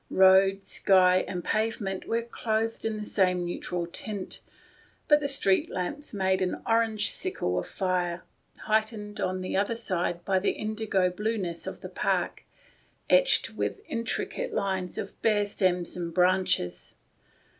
Road, sky, and pave ment were much the same tone, but the street lamps made an orange sickle of fire, height ened on the other side by the indigo blue ness of the Park, etched with intricate lines of bare stems and branches.